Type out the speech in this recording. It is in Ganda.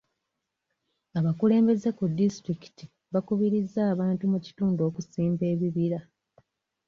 Abakulembeze ku disitulikiti bakubirizza abantu mu kitundu okusimba ebibira.